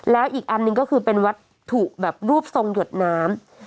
แล้วอีกอันหนึ่งก็คือเป็นวัตถุแบบรูปทรงหยดน้ำ